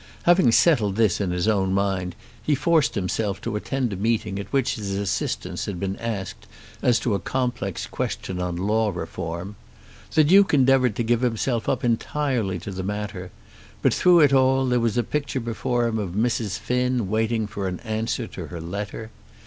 Having settled this in his own mind he forced himself to attend a meeting at which his assistance had been asked as to a complex question on Law Reform. The Duke endeavoured to give himself up entirely to the matter; but through it all there was the picture before him of Mrs. Finn waiting for an answer to her letter.